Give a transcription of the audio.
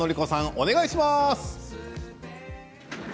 お願いします。